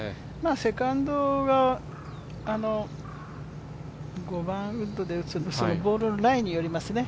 セカンドが５番ウッドで打つんですけどボールのライによりますね